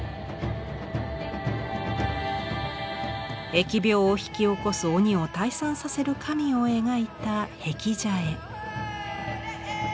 疫病を引き起こす鬼を退散させる神を描いた「辟邪絵」。